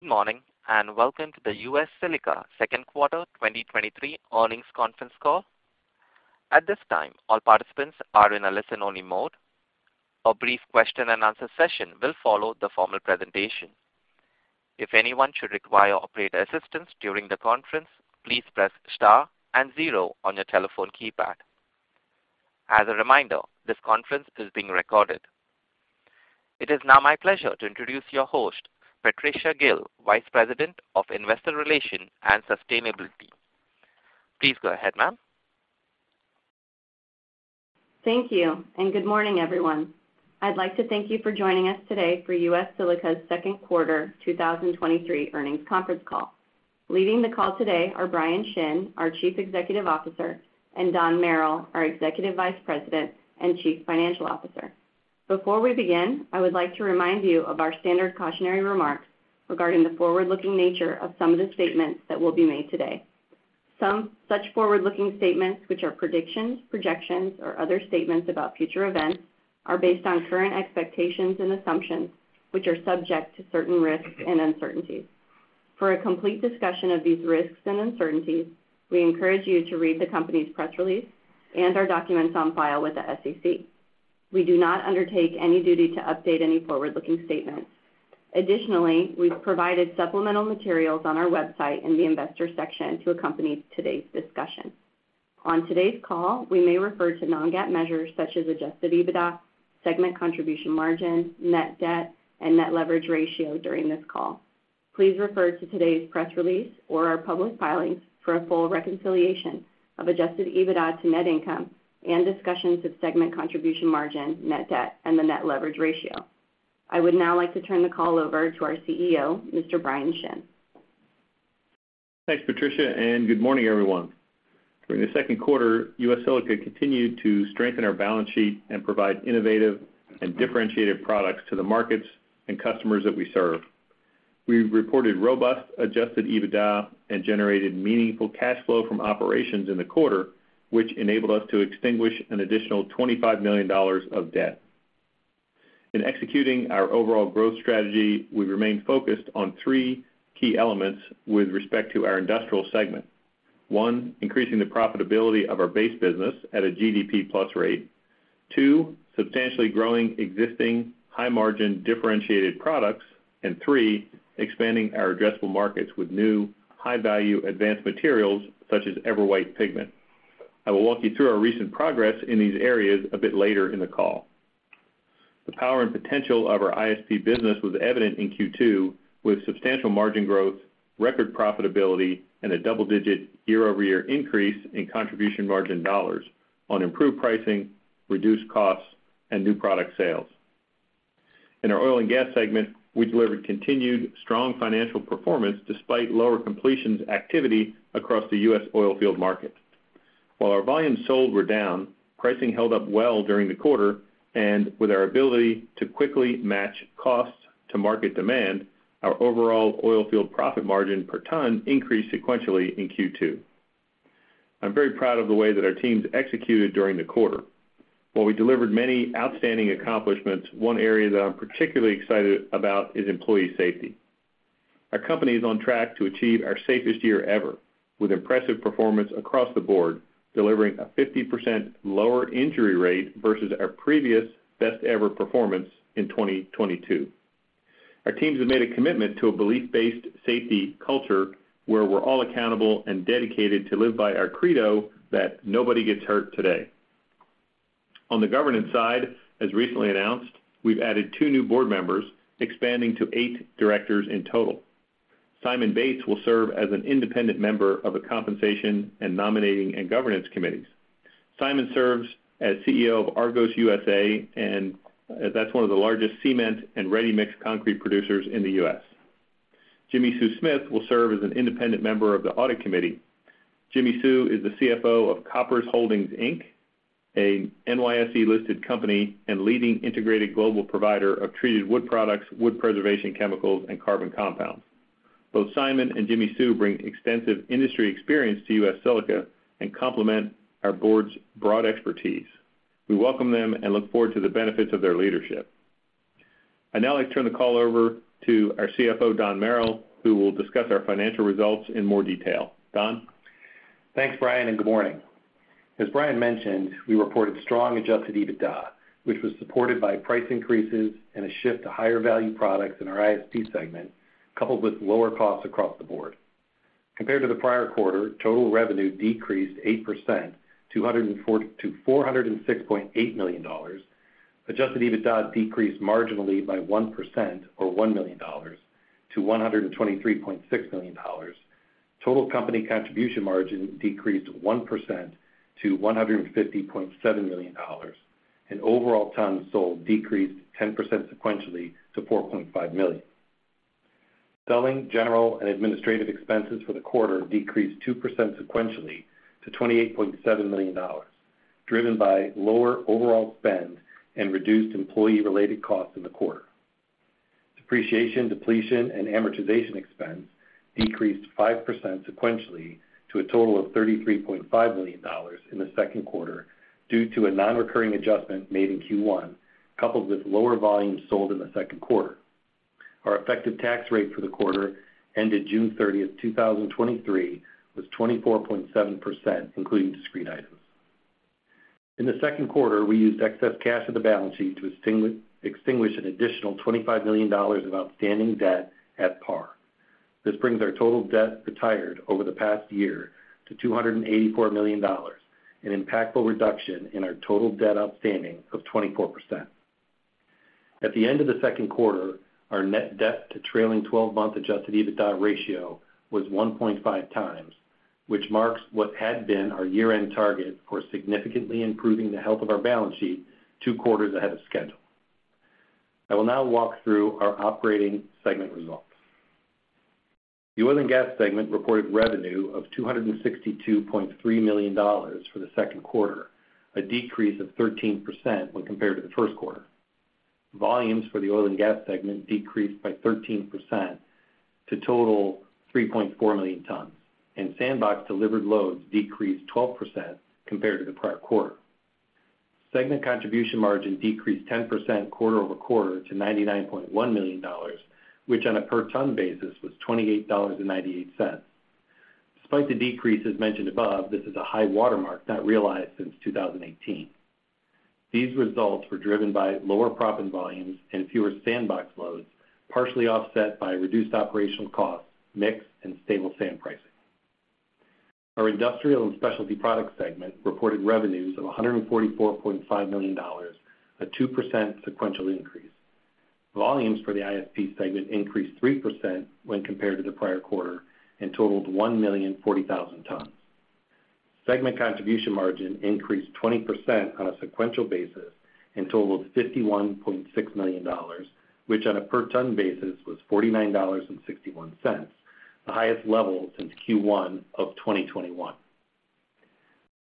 Good morning, welcome to the US Silica Q2 2023 Earnings Conference Call. At this time, all participants are in a listen-only mode. A brief Q&A session will follow the formal presentation. If anyone should require operator assistance during the conference, please press star and zero on your telephone keypad. As a reminder, this conference is being recorded. It is now my pleasure to introduce your host, Patricia Gil, Vice President of Investor Relations and Sustainability. Please go ahead, ma'am. Thank you, and good morning, everyone. I'd like to thank you for joining us today for US Silica's Q2 2023 Earnings Conference Call. Leading the call today are Bryan Shinn, our Chief Executive Officer, and Don Merril, our Executive Vice President and Chief Financial Officer. Before we begin, I would like to remind you of our standard cautionary remarks regarding the forward-looking nature of some of the statements that will be made today. Some such forward-looking statements, which are predictions, projections, or other statements about future events, are based on current expectations and assumptions, which are subject to certain risks and uncertainties. For a complete discussion of these risks and uncertainties, we encourage you to read the company's press release and our documents on file with the SEC. We do not undertake any duty to update any forward-looking statements. Additionally, we've provided supplemental materials on our website in the investor section to accompany today's discussion. On today's call, we may refer to non-GAAP measures such as Adjusted EBITDA, Segment Contribution Margin, Net Debt, and Net Leverage Ratio during this call. Please refer to today's press release or our public filings for a full reconciliation of Adjusted EBITDA to net income and discussions of Segment Contribution Margin, Net Debt, and the Net Leverage Ratio. I would now like to turn the call over to our CEO, Mr. Bryan Shinn. Thanks, Patricia, and good morning, everyone. During the Q2, US Silica continued to strengthen our balance sheet and provide innovative and differentiated products to the markets and customers that we serve. We reported robust Adjusted EBITDA and generated meaningful cash flow from operations in the quarter, which enabled us to extinguish an additional $25 million of debt. In executing our overall growth strategy, we remain focused on three key elements with respect to our industrial segment. One, increasing the profitability of our base business at a GDP plus rate. Two, substantially growing existing high-margin, differentiated products. Three, expanding our addressable markets with new, high-value advanced materials such as EverWhite Pigment. I will walk you through our recent progress in these areas a bit later in the call. The power and potential of our ISP business was evident in Q2, with substantial margin growth, record profitability, and a double-digit year-over-year increase in contribution margin dollars on improved pricing, reduced costs, and new product sales. In our oil and gas segment, we delivered continued strong financial performance despite lower completions activity across the US oil field market. Our volumes sold were down, pricing held up well during the quarter, and with our ability to quickly match costs to market demand, our overall oil field profit margin per ton increased sequentially in Q2. I'm very proud of the way that our teams executed during the quarter. We delivered many outstanding accomplishments, one area that I'm particularly excited about is employee safety. Our company is on track to achieve our safest year ever, with impressive performance across the board, delivering a 50% lower injury rate versus our previous best-ever performance in 2022. Our teams have made a commitment to a belief-based safety culture, where we're all accountable and dedicated to live by our credo that nobody gets hurt today. On the governance side, as recently announced, we've added two new board members, expanding to eight directors in total. Simon Bates will serve as an independent member of the Compensation and Nominating and Governance Committees. Simon serves as CEO of Argos USA, that's one of the largest cement and ready-mix concrete producers in the US. Jimmi Sue Smith will serve as an independent member of the audit committee. Jimmi Sue is the CFO of Koppers Holdings Inc., a NYSE-listed company and leading integrated global provider of treated wood products, wood preservation, chemicals, and carbon compounds. Both Simon and Jimmi Sue bring extensive industry experience to US Silica and complement our board's broad expertise. We welcome them and look forward to the benefits of their leadership. I'd now like to turn the call over to our CFO, Don Merril, who will discuss our financial results in more detail. Don? Thanks, Bryan, good morning. As Bryan mentioned, we reported strong Adjusted EBITDA, which was supported by price increases and a shift to higher-value products in our ISP segment, coupled with lower costs across the board. Compared to the prior quarter, total revenue decreased 8% to $406.8 million. Adjusted EBITDA decreased marginally by 1%, or $1 million, to $123.6 million. Total company Contribution Margin decreased 1% to $150.7 million. Overall tons sold decreased 10% sequentially to 4.5 million. Selling, General, and Administrative expenses for the quarter decreased 2% sequentially to $28.7 million, driven by lower overall spend and reduced employee-related costs in the quarter. Depreciation, depletion, and amortization expense increased 5% sequentially to a total of $33.5 million in the Q2 due to a non-recurring adjustment made in Q1, coupled with lower volumes sold in the Q2. Our effective tax rate for the quarter ended June 30th, 2023, was 24.7%, including discrete items. In the Q2, we used excess cash on the balance sheet to extinguish an additional $25 million of outstanding debt at par. This brings our total debt retired over the past year to $284 million, an impactful reduction in our total debt outstanding of 24%. At the end of the Q2, our Net Debt to trailing 12-month Adjusted EBITDA ratio was 1.5x, which marks what had been our year-end target for significantly improving the health of our balance sheet two quarters ahead of schedule. I will now walk through our operating segment results. The oil and gas segment reported revenue of $262.3 million for the Q2, a decrease of 13% when compared to the Q1. Volumes for the oil and gas segment decreased by 13% to total 3.4 million tons, and SandBox delivered loads decreased 12% compared to the prior quarter. Segment Contribution Margin decreased 10% quarter-over-quarter to $99.1 million, which on a per ton basis, was $28.98. Despite the decrease, as mentioned above, this is a high watermark not realized since 2018. These results were driven by lower proppant volumes and fewer SandBox loads, partially offset by reduced operational costs, mix, and stable sand pricing. Our industrial and specialty products segment reported revenues of $144.5 million, a 2% sequential increase. Volumes for the ISP segment increased 3% when compared to the prior quarter and totaled 1,040,000 tons. Segment contribution margin increased 20% on a sequential basis and totaled $51.6 million, which on a per ton basis, was $49.61, the highest level since Q1 of 2021.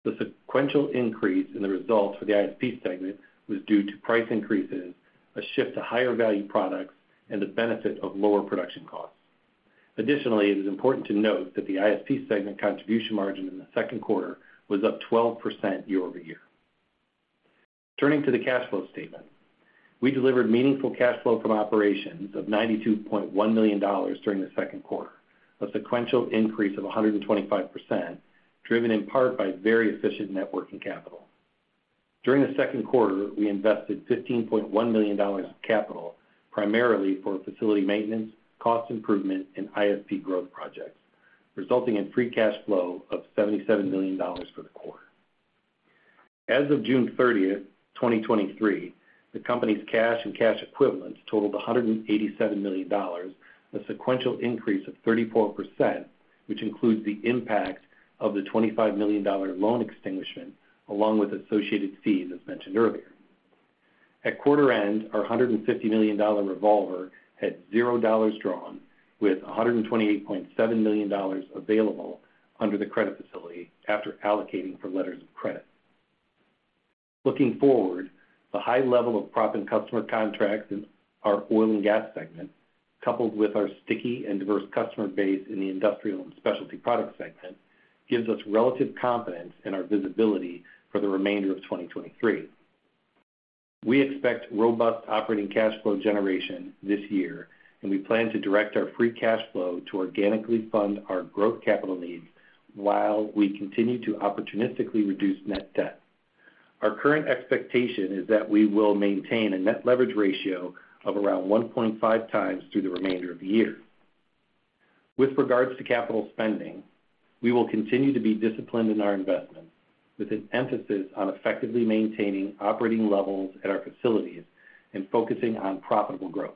The sequential increase in the results for the ISP segment was due to price increases, a shift to higher value products, and the benefit of lower production costs. Additionally, it is important to note that the ISP Segment Contribution Margin in the Q2 was up 12% year-over-year. Turning to the cash flow statement, we delivered meaningful cash flow from operations of $92.1 million during the Q2, a sequential increase of 125%, driven in part by very efficient working capital. During the Q2, we invested $15.1 million of capital, primarily for facility maintenance, cost improvement, and ISP growth projects, resulting in free cash flow of $77 million for the quarter. As of June 30, 2023, the company's cash and cash equivalents totaled $187 million, a sequential increase of 34%, which includes the impact of the $25 million loan extinguishment, along with associated fees, as mentioned earlier. At quarter end, our $150 million revolver had $0 drawn, with $128.7 million available under the credit facility after allocating for letters of credit. Looking forward, the high level of proppant customer contracts in our Oil and Gas segment, coupled with our sticky and diverse customer base in the Industrial and Specialty Product segment, gives us relative confidence in our visibility for the remainder of 2023. We expect robust operating cash flow generation this year, and we plan to direct our free cash flow to organically fund our growth capital needs while we continue to opportunistically reduce Net Debt. Our current expectation is that we will maintain a Net Leverage Ratio of around 1.5x through the remainder of the year. With regards to capital spending, we will continue to be disciplined in our investments, with an emphasis on effectively maintaining operating levels at our facilities and focusing on profitable growth.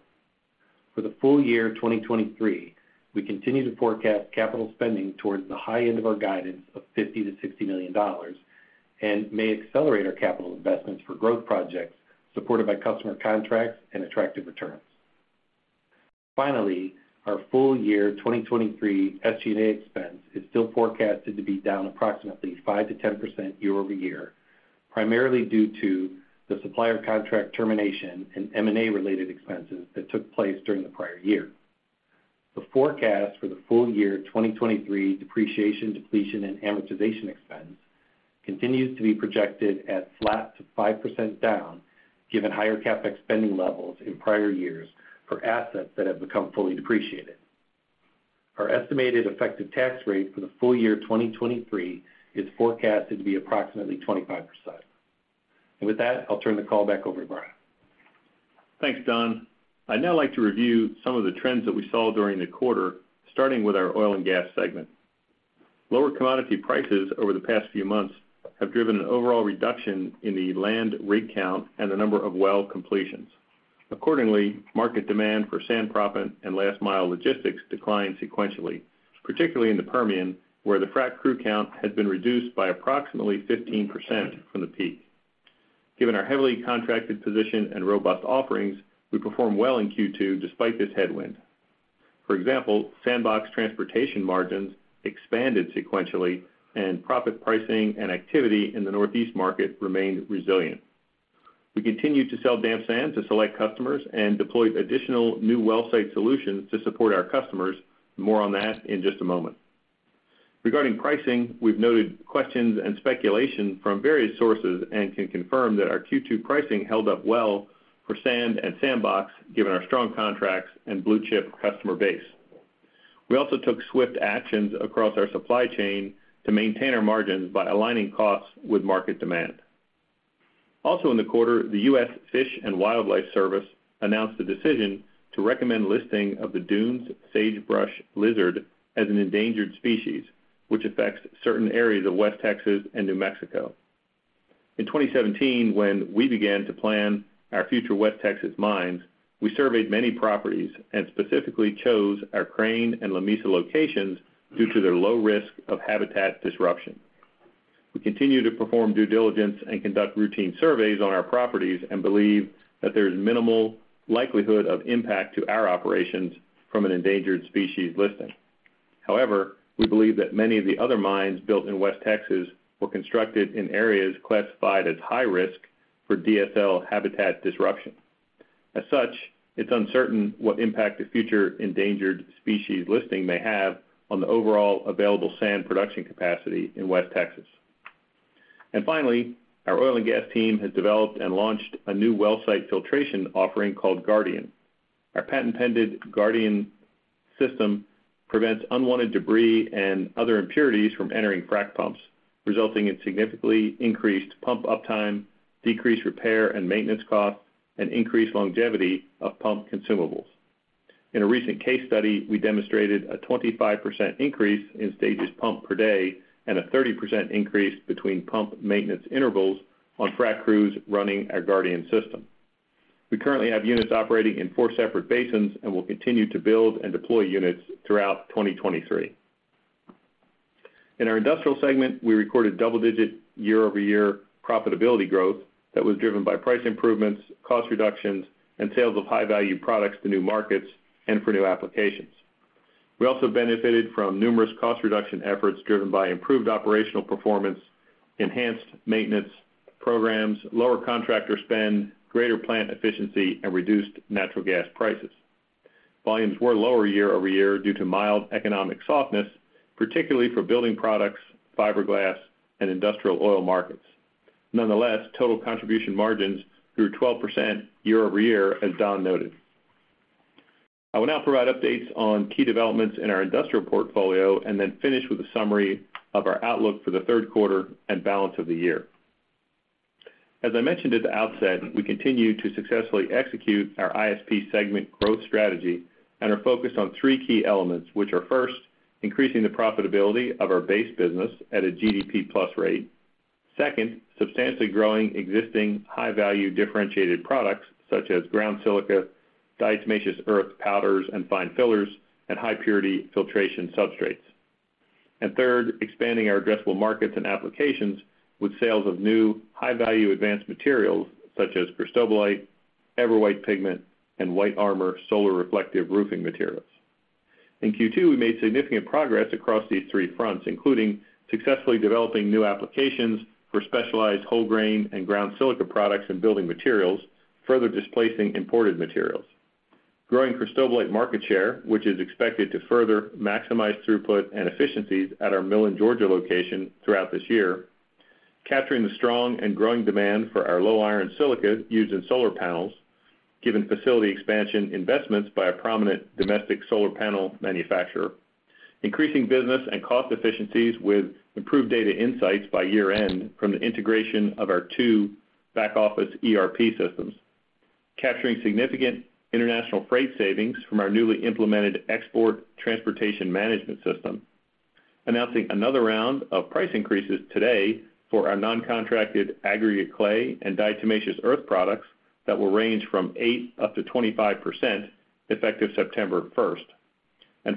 For the full year 2023, we continue to forecast capital spending towards the high end of our guidance of $50 million-$60 million and may accelerate our capital investments for growth projects supported by customer contracts and attractive returns. Finally, our full year 2023 SG&A expense is still forecasted to be down approximately 5%-10% year-over-year, primarily due to the supplier contract termination and M&A-related expenses that took place during the prior year. The forecast for the full year 2023 depreciation, depletion, and amortization expense continues to be projected at flat to 5% down, given higher CapEx spending levels in prior years for assets that have become fully depreciated. Our estimated effective tax rate for the full year 2023 is forecasted to be approximately 25%. With that, I'll turn the call back over to Bryan. Thanks, Don. I'd now like to review some of the trends that we saw during the quarter, starting with our oil and gas segment. Lower commodity prices over the past few months have driven an overall reduction in the land rig count and the number of well completions. Accordingly, market demand for sand proppant and last mile logistics declined sequentially, particularly in the Permian, where the frac crew count has been reduced by approximately 15% from the peak. Given our heavily contracted position and robust offerings, we performed well in Q2 despite this headwind. For example, Sandbox transportation margins expanded sequentially, and proppant pricing and activity in the Northeast market remained resilient. We continued to sell damp sand to select customers and deployed additional new well site solutions to support our customers. More on that in just a moment. Regarding pricing, we've noted questions and speculation from various sources, and can confirm that our Q2 pricing held up well for sand and SandBox, given our strong contracts and blue-chip customer base. We also took swift actions across our supply chain to maintain our margins by aligning costs with market demand. In the quarter, the US Fish and Wildlife Service announced a decision to recommend listing of the dunes sagebrush lizard as an endangered species, which affects certain areas of West Texas and New Mexico. In 2017, when we began to plan our future West Texas mines, we surveyed many properties and specifically chose our Crane and Lamesa locations due to their low risk of habitat disruption. We continue to perform due diligence and conduct routine surveys on our properties, and believe that there is minimal likelihood of impact to our operations from an endangered species listing. However, we believe that many of the other mines built in West Texas were constructed in areas classified as high risk for DSL habitat disruption. As such, it's uncertain what impact the future endangered species listing may have on the overall available sand production capacity in West Texas. Finally, our oil and gas team has developed and launched a new well-site filtration offering called Guardian. Our patent-pending Guardian system prevents unwanted debris and other impurities from entering frac pumps, resulting in significantly increased pump uptime, decreased repair and maintenance costs, and increased longevity of pump consumables. In a recent case study, we demonstrated a 25% increase in stages pump per day, and a 30% increase between pump maintenance intervals on frac crews running our Guardian system. We currently have units operating in 4 separate basins and will continue to build and deploy units throughout 2023. In our industrial segment, we recorded double-digit year-over-year profitability growth that was driven by price improvements, cost reductions, and sales of high-value products to new markets and for new applications. We also benefited from numerous cost reduction efforts, driven by improved operational performance, enhanced maintenance programs, lower contractor spend, greater plant efficiency, and reduced natural gas prices. Volumes were lower year-over-year due to mild economic softness, particularly for building products, fiberglass, and industrial oil markets. Nonetheless, total contribution margins grew 12% year-over-year, as Don noted. I will now provide updates on key developments in our industrial portfolio, and then finish with a summary of our outlook for the Q3 and balance of the year. As I mentioned at the outset, we continue to successfully execute our ISP segment growth strategy and are focused on three key elements, which are, first, increasing the profitability of our base business at a GDP plus rate. Second, substantially growing existing high-value, differentiated products such as ground silica, diatomaceous earth powders, and fine fillers, and high-purity filtration substrates. Third, expanding our addressable markets and applications with sales of new, high-value advanced materials such as cristobalite, EverWhite Pigment, and White Armor solar reflective roofing materials. In Q2, we made significant progress across these three fronts, including successfully developing new applications for specialized whole grain and ground silica products and building materials, further displacing imported materials. Growing cristobalite market share, which is expected to further maximize throughput and efficiencies at our Millen, Georgia location throughout this year, capturing the strong and growing demand for our low-iron silica used in solar panels, given facility expansion investments by a prominent domestic solar panel manufacturer. Increasing business and cost efficiencies with improved data insights by year-end from the integration of our two back-office ERP systems. Capturing significant international freight savings from our newly implemented export transportation management system. Announcing another round of price increases today for our non-contracted aggregate clay and diatomaceous earth products that will range from 8%-25%, effective September 1st.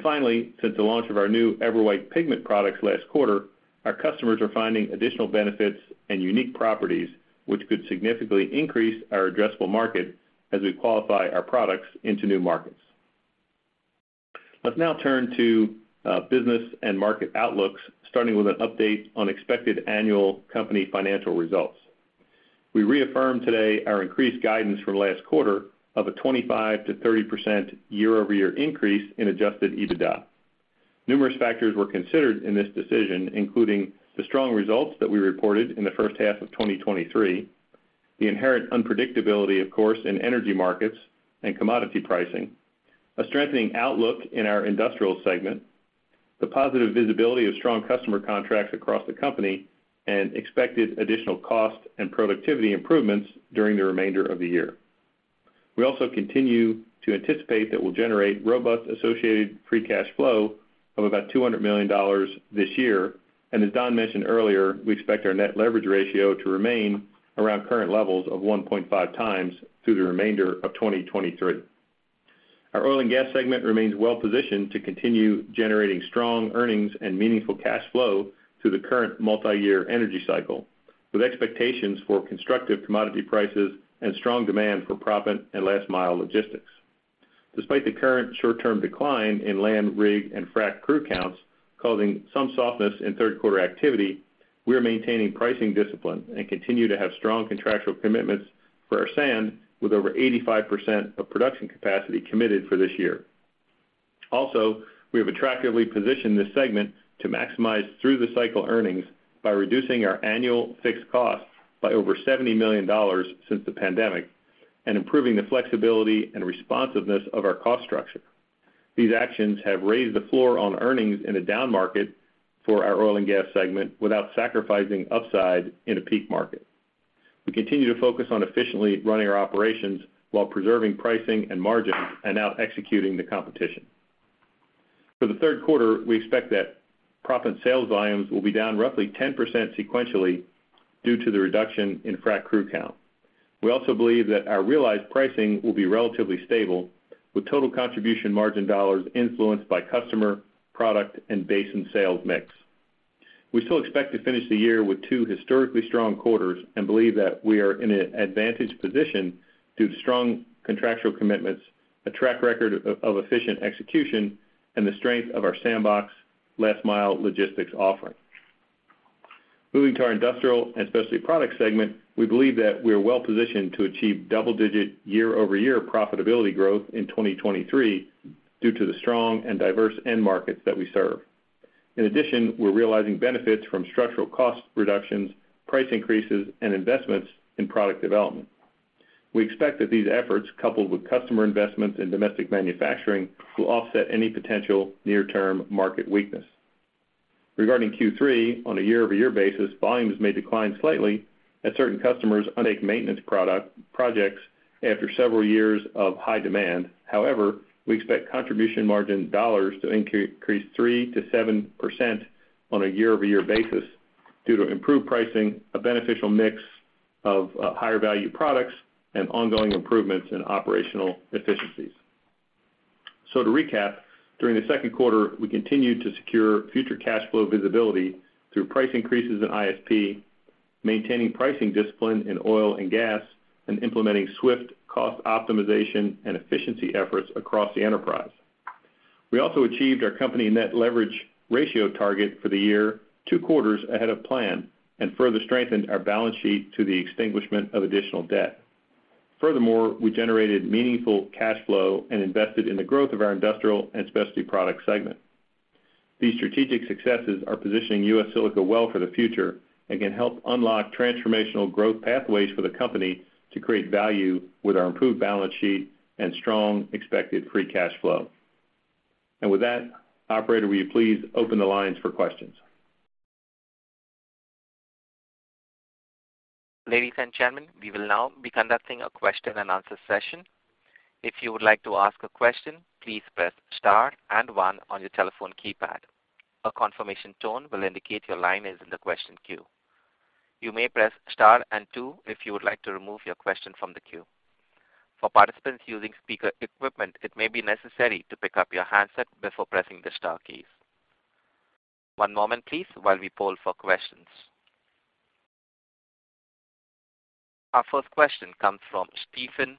Finally, since the launch of our new EverWhite pigment products last quarter, our customers are finding additional benefits and unique properties, which could significantly increase our addressable market as we qualify our products into new markets. Let's now turn to business and market outlooks, starting with an update on expected annual company financial results. We reaffirm today our increased guidance from last quarter of a 25%-30% year-over-year increase in Adjusted EBITDA. Numerous factors were considered in this decision, including the strong results that we reported in the first half of 2023, the inherent unpredictability, of course, in energy markets and commodity pricing, a strengthening outlook in our industrial segment, the positive visibility of strong customer contracts across the company, and expected additional cost and productivity improvements during the remainder of the year. We also continue to anticipate that we'll generate robust associated free cash flow of about $200 million this year. As Don mentioned earlier, we expect our Net Leverage Ratio to remain around current levels of 1.5x through the remainder of 2023. Our oil and gas segment remains well-positioned to continue generating strong earnings and meaningful cash flow through the current multi-year energy cycle, with expectations for constructive commodity prices and strong demand for proppant and last-mile logistics. Despite the current short-term decline in land, rig, and frac crew counts causing some softness in Q3 activity. We are maintaining pricing discipline and continue to have strong contractual commitments for our sand, with over 85% of production capacity committed for this year. We have attractively positioned this segment to maximize through-the-cycle earnings by reducing our annual fixed costs by over $70 million since the pandemic and improving the flexibility and responsiveness of our cost structure. These actions have raised the floor on earnings in a down market for our oil and gas segment without sacrificing upside in a peak market. We continue to focus on efficiently running our operations while preserving pricing and margins and out-executing the competition. For the Q3, we expect that proppant sales volumes will be down roughly 10% sequentially due to the reduction in frac crew count. We also believe that our realized pricing will be relatively stable, with total Segment Contribution Margin dollars influenced by customer, product, and basin sales mix. We still expect to finish the year with two historically strong quarters and believe that we are in an advantaged position due to strong contractual commitments, a track record of efficient execution, and the strength of our SandBox last mile logistics offering. Moving to our industrial and specialty products segment, we believe that we are well positioned to achieve double-digit year-over-year profitability growth in 2023 due to the strong and diverse end markets that we serve. In addition, we're realizing benefits from structural cost reductions, price increases, and investments in product development. We expect that these efforts, coupled with customer investments in domestic manufacturing, will offset any potential near-term market weakness. Regarding Q3, on a year-over-year basis, volumes may decline slightly as certain customers undertake maintenance projects after several years of high demand. However, we expect contribution margin dollars to increase 3%-7% on a year-over-year basis due to improved pricing, a beneficial mix of higher value products, and ongoing improvements in operational efficiencies. To recap, during the Q2, we continued to secure future cash flow visibility through price increases in ISP, maintaining pricing discipline in oil and gas, and implementing swift cost optimization and efficiency efforts across the enterprise. We also achieved our company Net Leverage Ratio target for the year, two quarters ahead of plan, and further strengthened our balance sheet to the extinguishment of additional debt. Furthermore, we generated meaningful cash flow and invested in the growth of our industrial and specialty product segment. These strategic successes are positioning US Silica well for the future and can help unlock transformational growth pathways for the company to create value with our improved balance sheet and strong expected free cash flow. With that, operator, will you please open the lines for questions? Ladies and gentlemen, we will now be conducting a question-and-answer session. If you would like to ask a question, please press star and one on your telephone keypad. A confirmation tone will indicate your line is in the question queue. You may press star and two if you would like to remove your question from the queue. For participants using speaker equipment, it may be necessary to pick up your handset before pressing the star keys. One moment please while we poll for questions. Our first question comes from Stephen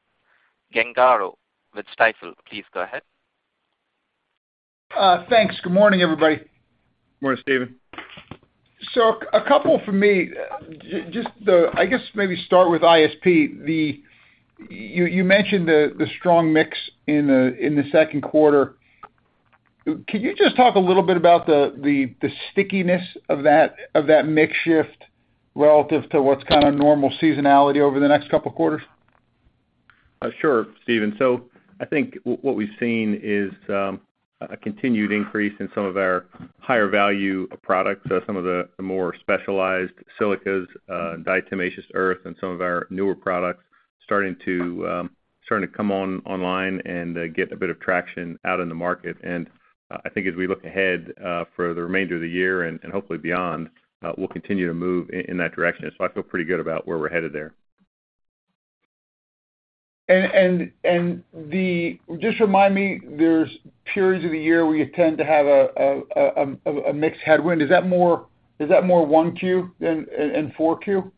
Gengaro with Stifel. Please go ahead. Thanks. Good morning, everybody. Morning, Stephen. A couple for me. I guess maybe start with ISP. You mentioned the strong mix in the Q2. Can you just talk a little bit about the stickiness of that mix shift relative to what's kind of normal seasonality over the next couple quarters? Sure, Stephen. I think what we've seen is a continued increase in some of our higher value products, some of the more specialized silicas, diatomaceous earth, and some of our newer products starting to come on online and get a bit of traction out in the market. I think as we look ahead for the remainder of the year and hopefully beyond, we'll continue to move in that direction. I feel pretty good about where we're headed there. Just remind me, there's periods of the year where you tend to have a mix headwind. Is that more Q1 than Q4?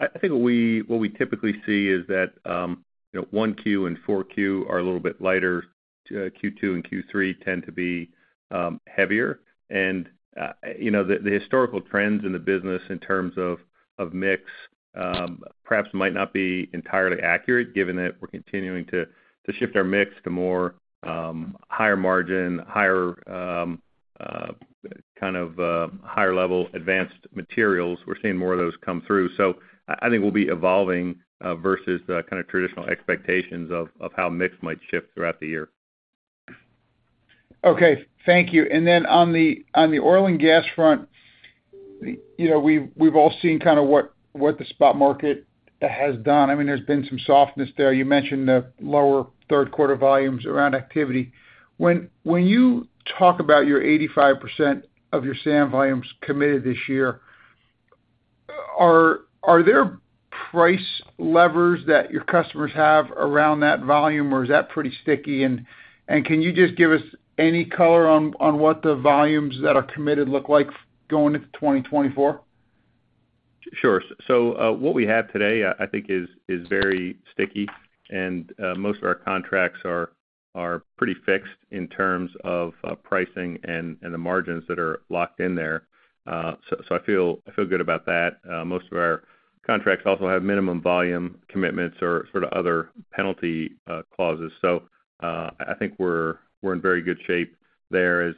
I think what we, what we typically see is that, you know, Q1 and Q4 are a little bit lighter. Q2 and Q3 tend to be heavier. You know, the historical trends in the business in terms of mix, perhaps might not be entirely accurate, given that we're continuing to shift our mix to more, higher margin, higher, kind of, higher level advanced materials. We're seeing more of those come through, so I think we'll be evolving versus the kind of traditional expectations of how mix might shift throughout the year. Okay, thank you. On the, on the oil and gas front, you know, we've, we've all seen kind of what, what the spot market has done. I mean, there's been some softness there. You mentioned the lower Q3 volumes around activity. When you talk about your 85% of your sand volumes committed this year, are there price levers that your customers have around that volume, or is that pretty sticky? Can you just give us any color on what the volumes that are committed look like going into 2024? Sure. What we have today, I, I think is, is very sticky, and most of our contracts are, are pretty fixed in terms of pricing and the margins that are locked in there. I feel, I feel good about that. Most of our contracts also have minimum volume commitments or sort of other penalty clauses. I think we're, we're in very good shape there.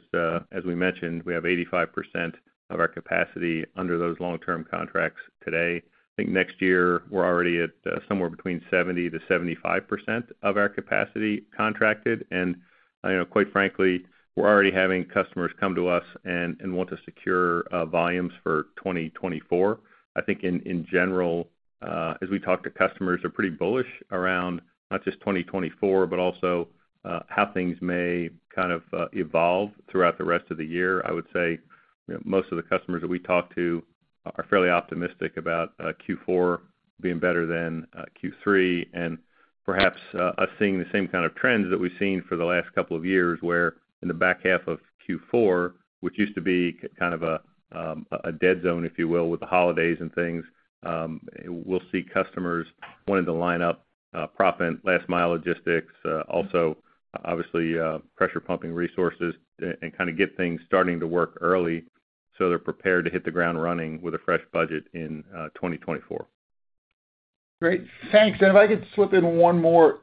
As we mentioned, we have 85% of our capacity under those long-term contracts today. I think next year, we're already at somewhere between 70%-75% of our capacity contracted. You know, quite frankly, we're already having customers come to us and want to secure volumes for 2024. I think in, in general, as we talk to customers, they're pretty bullish around not just 2024, but also how things may kind of evolve throughout the rest of the year. I would say, you know, most of the customers that we talk to are fairly optimistic about Q4 being better than Q3, and perhaps us seeing the same kind of trends that we've seen for the last couple of years, where in the back half of Q4, which used to be kind of a dead zone, if you will, with the holidays and things, we'll see customers wanting to line up proppant, last mile logistics, also, obviously, pressure pumping resources and kind of get things starting to work early, so they're prepared to hit the ground running with a fresh budget in 2024. Great. Thanks. If I could slip in one more.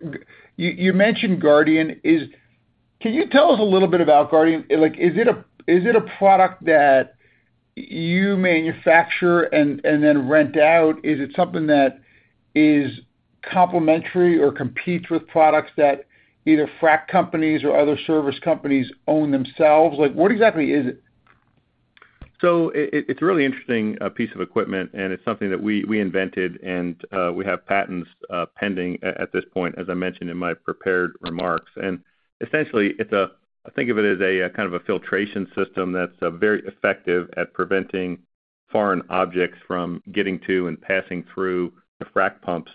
You, you mentioned Guardian. Can you tell us a little bit about Guardian? Like, is it a, is it a product that you manufacture and then rent out? Is it something that is complementary or competes with products that either frac companies or other service companies own themselves? Like, what exactly is it? It's a really interesting piece of equipment, and it's something that we, we invented, and we have patents pending at this point, as I mentioned in my prepared remarks. Essentially, it's a... I think of it as a kind of a filtration system that's very effective at preventing foreign objects from getting to and passing through the frac pumps.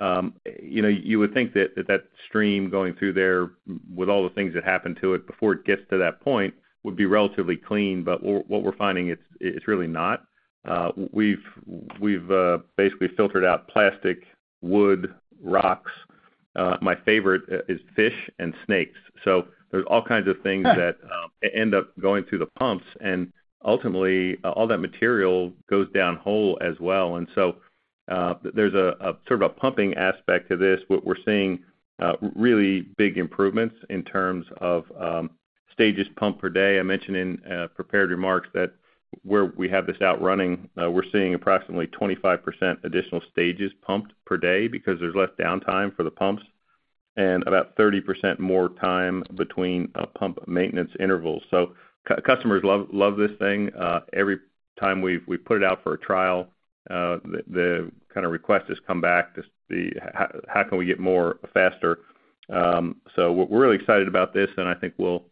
You know, you would think that, that stream going through there, with all the things that happened to it before it gets to that point, would be relatively clean, but what, what we're finding, it's, it's really not. We've, we've basically filtered out plastic, wood, rocks. My favorite is fish and snakes. There's all kinds of things that end up going through the pumps, and ultimately, all that material goes down whole as well. There's a sort of a pumping aspect to this. What we're seeing, really big improvements in terms of stages pumped per day. I mentioned in prepared remarks that where we have this out running, we're seeing approximately 25% additional stages pumped per day because there's less downtime for the pumps, and about 30% more time between pump maintenance intervals. Customers love, love this thing. Every time we've put it out for a trial, the kind of request has come back to see how can we get more faster? We're, we're really excited about this, and I think we'll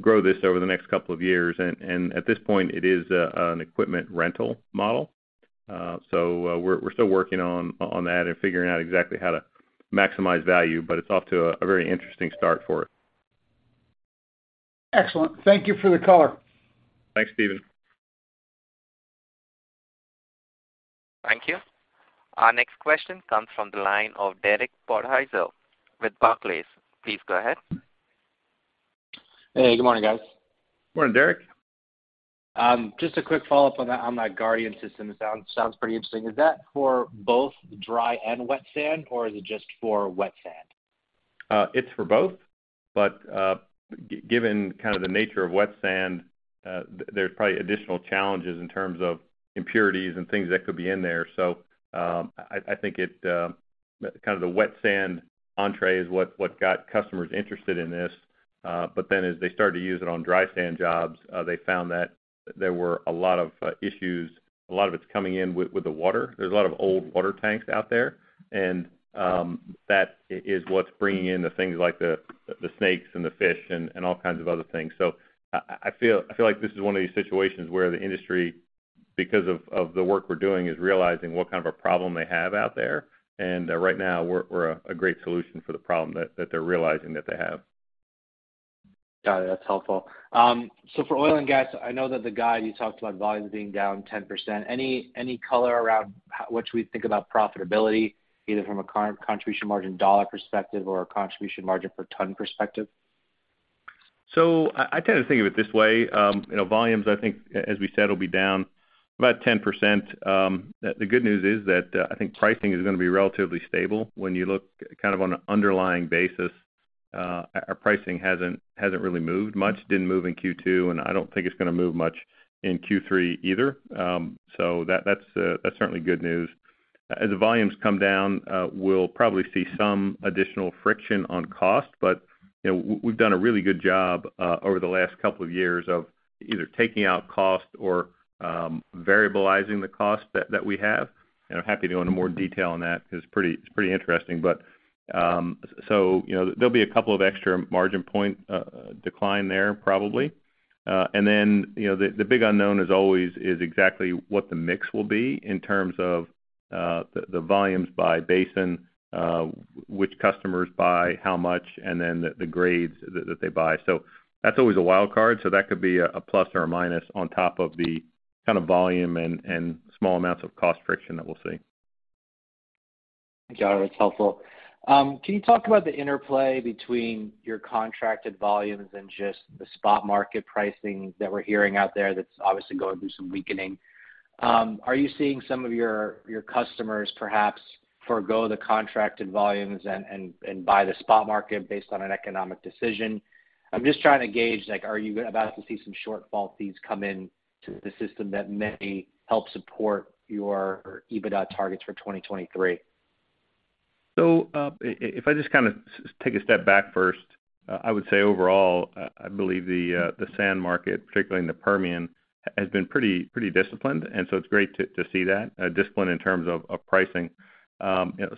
grow this over the next couple of years. At this point, it is an equipment rental model. We're, we're still working on that and figuring out exactly how to maximize value, but it's off to a, a very interesting start for it. Excellent. Thank you for the color. Thanks, Stephen. Thank you. Our next question comes from the line of Derek Podhaizer with Barclays. Please go ahead. Hey, good morning, guys. Morning, Derek. Just a quick follow-up on that, on that Guardian system. It sounds, sounds pretty interesting. Is that for both dry and wet sand, or is it just for wet sand? It's for both, but given kind of the nature of wet sand, there's probably additional challenges in terms of impurities and things that could be in there. I, I think it kind of the wet sand entrée is what, what got customers interested in this. As they started to use it on dry sand jobs, they found that there were a lot of issues. A lot of it's coming in with, with the water. There's a lot of old water tanks out there, and that is what's bringing in the things like the, the snakes and the fish and, and all kinds of other things. I, I feel, I feel like this is one of these situations where the industry, because of, of the work we're doing, is realizing what kind of a problem they have out there. Right now, we're, we're a, a great solution for the problem that, that they're realizing that they have. Got it. That's helpful. So for oil and gas, I know that the guide, you talked about volumes being down 10%. Any, any color around what we think about profitability, either from a contribution margin dollar perspective or a contribution margin per ton perspective? I, I tend to think of it this way. You know, volumes, I think, as we said, will be down about 10%. The, the good news is that, I think pricing is going to be relatively stable. When you look kind of on an underlying basis, our, our pricing hasn't, hasn't really moved much, didn't move in Q2, and I don't think it's going to move much in Q3 either. That's certainly good news. As the volumes come down, we'll probably see some additional friction on cost. You know, we've done a really good job, over the last couple of years of either taking out cost or, variabilizing the cost that, that we have. I'm happy to go into more detail on that because it's pretty, it's pretty interesting. You know, there'll be a couple of extra margin point decline there, probably. Then, you know, the, the big unknown is always is exactly what the mix will be in terms of the, the volumes by basin, which customers buy how much, and then the, the grades that, that they buy. That's always a wild card. That could be a, a plus or a minus on top of the kind of volume and, and small amounts of cost friction that we'll see. Thank you, Tyler, that's helpful. Can you talk about the interplay between your contracted volumes and just the spot market pricing that we're hearing out there that's obviously going through some weakening? Are you seeing some of your, your customers perhaps forego the contracted volumes and, and, and buy the spot market based on an economic decision? I'm just trying to gauge, like, are you about to see some shortfall fees come in to the system that may help support your EBITDA targets for 2023? If I just kind of take a step back first, I would say overall, I believe the sand market, particularly in the Permian, has been pretty, pretty disciplined, and so it's great to, to see that. Disciplined in terms of, of pricing.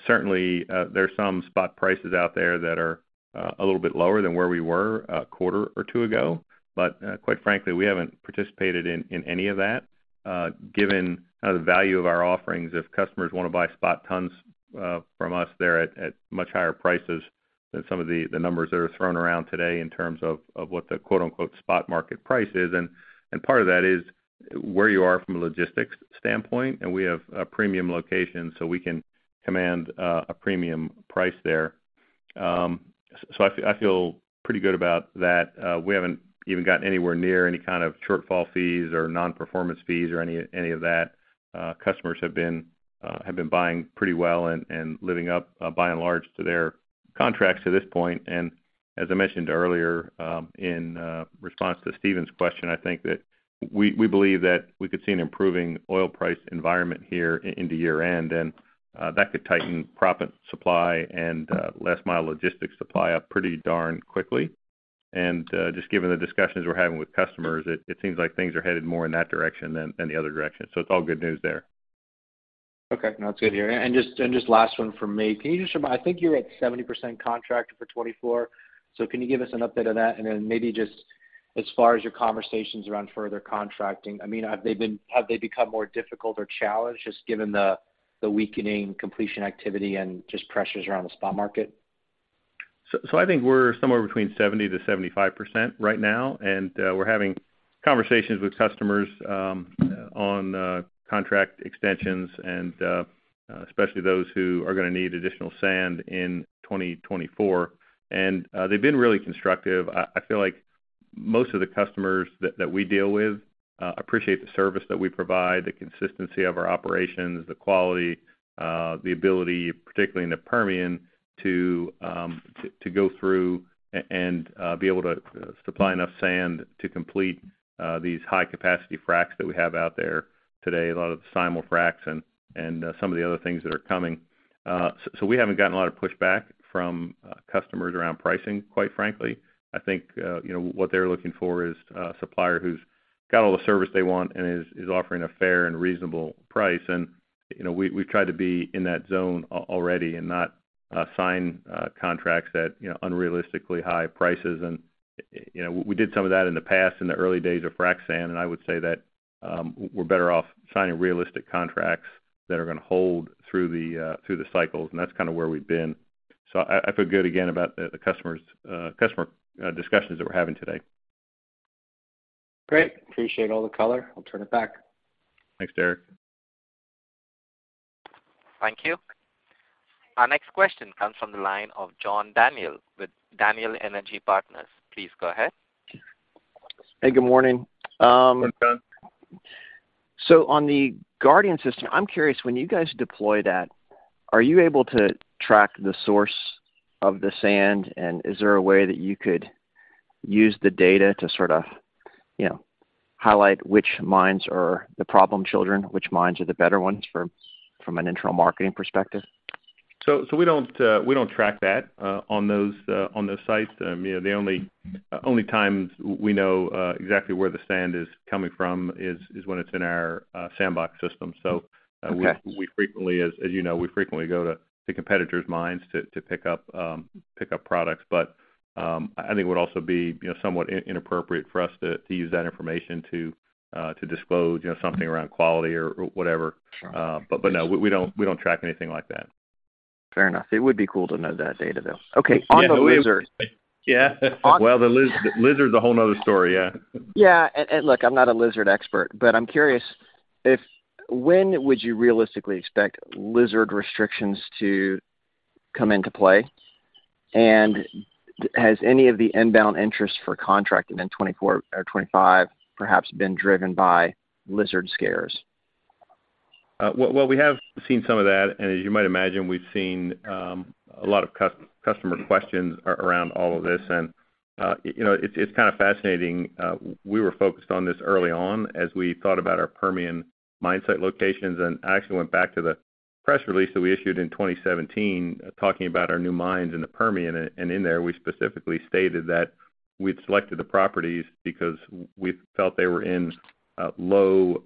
Certainly, there are some spot prices out there that are a little bit lower than where we were a quarter or two ago. Quite frankly, we haven't participated in, in any of that. Given kind of the value of our offerings, if customers want to buy spot tons, from us, they're at, at much higher prices than some of the, the numbers that are thrown around today in terms of, of what the quote, unquote, "spot market price" is. Part of that is where you are from a logistics standpoint, and we have a premium location, so we can command a premium price there. I feel pretty good about that. We haven't even gotten anywhere near any kind of shortfall fees or nonperformance fees or any, any of that. Customers have been buying pretty well and living up, by and large, to their contracts to this point. As I mentioned earlier, in response to Stephen's question, I think that we believe that we could see an improving oil price environment here in the year-end, and that could tighten proppant supply and last mile logistics supply up pretty darn quickly. Just given the discussions we're having with customers, it, it seems like things are headed more in that direction than, than the other direction. It's all good news there. Okay. No, it's good to hear. Just, and just last one from me. Can you just remind... I think you're at 70% contract for 2024. Can you give us an update on that? Then maybe just as far as your conversations around further contracting, I mean, have they become more difficult or challenged, just given the, the weakening completion activity and just pressures around the spot market? I think we're somewhere between 70%-75% right now, and we're having conversations with customers on contract extensions and especially those who are going to need additional sand in 2024. They've been really constructive. I feel like most of the customers that we deal with appreciate the service that we provide, the consistency of our operations, the quality, the ability, particularly in the Permian, to go through and be able to supply enough sand to complete these high capacity fracs that we have out there today, a lot of the simul-fracs and some of the other things that are coming. We haven't gotten a lot of pushback from customers around pricing, quite frankly. I think, you know, what they're looking for is a supplier who's got all the service they want and is, is offering a fair and reasonable price. And, you know, we, we've tried to be in that zone already and not sign contracts at, you know, unrealistically high prices. And, you know, we did some of that in the past, in the early days of frac sand, and I would say that we're better off signing realistic contracts that are going to hold through the through the cycles, and that's kind of where we've been. So I, I feel good again about the, the customers, customer discussions that we're having today. Great. Appreciate all the color. I'll turn it back. Thanks, Derek. Thank you. Our next question comes from the line of John Daniel with Daniel Energy Partners. Please go ahead. Hey, good morning. Good, John. On the Guardian system, I'm curious, when you guys deploy that, are you able to track the source of the sand? Is there a way that you could use the data to sort of, you know, highlight which mines are the problem children, which mines are the better ones from, from an internal marketing perspective? So we don't, we don't track that, on those, on those sites. You know, the only, only times we know, exactly where the sand is coming from is, is when it's in our, Sandbox system. Okay. We, we frequently, as, as you know, we frequently go to, to competitors' mines to, to pick up, pick up products. I think it would also be, you know, somewhat inappropriate for us to, to use that information to, to disclose, you know, something around quality or, or whatever. Sure. No, we don't track anything like that. Fair enough. It would be cool to know that data, though. Okay. Yeah, On the lizard- Yeah. Well, the lizard, lizard's a whole another story, yeah. Yeah. Look, I'm not a lizard expert, but I'm curious if when would you realistically expect lizard restrictions to come into play? Has any of the inbound interest for contracting in 2024 or 2025 perhaps been driven by lizard scares? Well, well, we have seen some of that, and as you might imagine, we've seen a lot of customer questions around all of this. You know, it's, it's kind of fascinating. We were focused on this early on as we thought about our Permian mine site locations, and I actually went back to the press release that we issued in 2017, talking about our new mines in the Permian. In there, we specifically stated that we'd selected the properties because we felt they were in low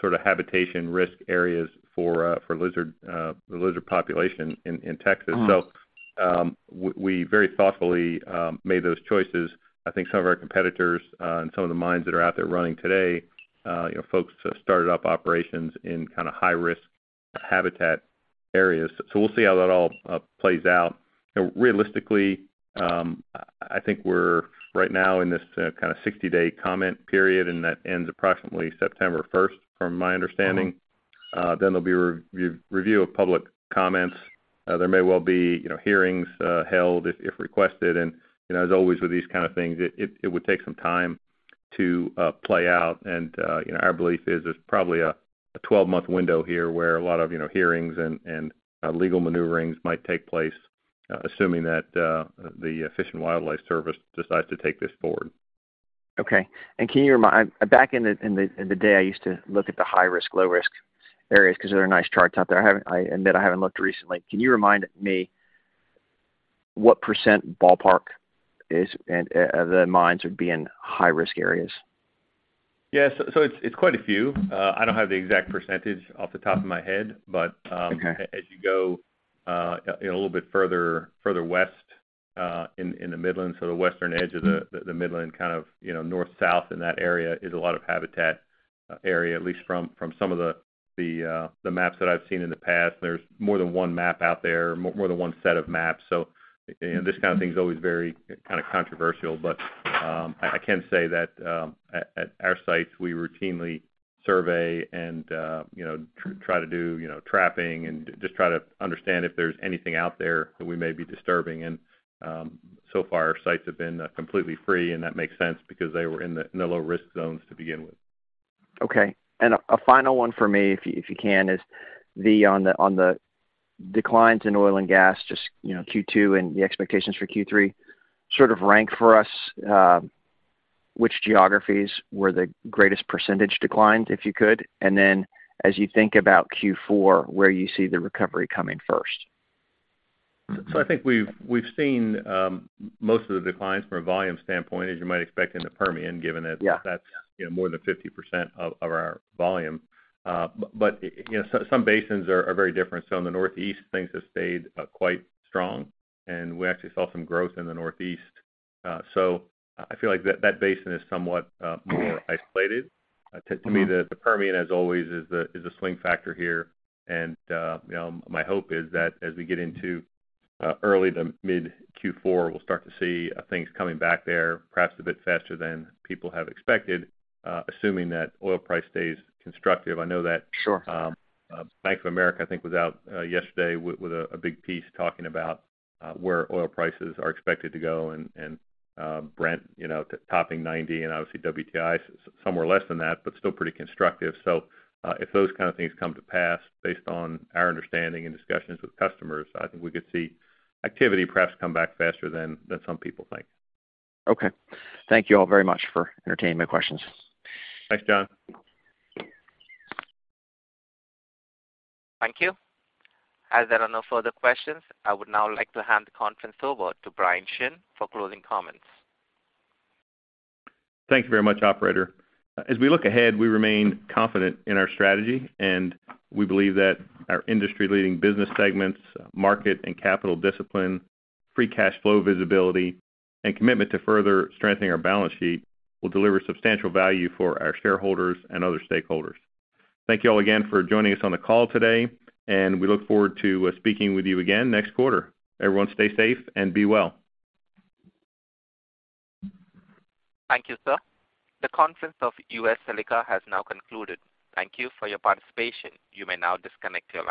sort of habitation risk areas for for lizard, the lizard population in Texas. Mm-hmm. We very thoughtfully made those choices. I think some of our competitors, and some of the mines that are out there running today, you know, folks have started up operations in kind of high-risk habitat areas. We'll see how that all plays out. Realistically, I think we're right now in this kind of 60-day comment period, and that ends approximately September 1st, from my understanding. Then there'll be re-re-review of public comments. There may well be, you know, hearings held if, if requested. You know, as always, with these kind of things, it, it would take some time to play out. You know, our belief is there's probably a, a 12-month window here where a lot of, you know, hearings and, and, legal maneuverings might take place, assuming that, the Fish and Wildlife Service decides to take this forward. Okay. can you remind. Back in the, in the, in the day, I used to look at the high risk, low risk areas because there are nice charts out there. I haven't, I admit I haven't looked recently. Can you remind me what % ballpark is, and the mines would be in high-risk areas? Yes. it's, it's quite a few. I don't have the exact percentage off the top of my head, but. Okay... as you go, a little bit further, further west, in, in the Midlands, so the western edge of the, the Midland, kind of, you know, north, south in that area is a lot of habitat, area, at least from, from some of the, the, the maps that I've seen in the past. There's more than one map out there, more, more than one set of maps. This kind of thing is always very kind of controversial, but I, I can say that, at, at our sites, we routinely survey and, you know, try to do, you know, trapping and just try to understand if there's anything out there that we may be disturbing. So far our sites have been completely free, and that makes sense because they were in the low-risk zones to begin with. Okay. A final one for me, if you can, is on the declines in oil and gas, just, you know, Q2 and the expectations for Q3, sort of rank for us, which geographies were the greatest percentage declines, if you could? Then as you think about Q4, where you see the recovery coming first? I think we've, we've seen, most of the declines from a volume standpoint, as you might expect, in the Permian, given that... Yeah that's, you know, more than 50% of our volume. You know, some, some basins are very different. In the Northeast, things have stayed quite strong, and we actually saw some growth in the Northeast. I feel like that, that basin is somewhat more isolated. To me, the Permian, as always, is the swing factor here. You know, my hope is that as we get into early to mid-Q4, we'll start to see things coming back there perhaps a bit faster than people have expected, assuming that oil price stays constructive. I know that. Sure Bank of America, I think, was out yesterday with, with a, a big piece talking about where oil prices are expected to go, and, and Brent, you know, topping 90 and obviously, WTI somewhere less than that, but still pretty constructive. If those kind of things come to pass, based on our understanding and discussions with customers, I think we could see activity perhaps come back faster than, than some people think. Okay. Thank you all very much for entertaining my questions. Thanks, John. Thank you. As there are no further questions, I would now like to hand the conference over to Bryan Shinn for closing comments. Thank you very much, operator. As we look ahead, we remain confident in our strategy. We believe that our industry-leading business segments, market and capital discipline, free cash flow visibility, and commitment to further strengthening our balance sheet will deliver substantial value for our shareholders and other stakeholders. Thank you all again for joining us on the call today. We look forward to speaking with you again next quarter. Everyone stay safe and be well. Thank you, sir. The conference of US Silica has now concluded. Thank you for your participation. You may now disconnect your lines.